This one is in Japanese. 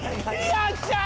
よっしゃー！